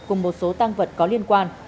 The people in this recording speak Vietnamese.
cùng một số tăng vật có liên quan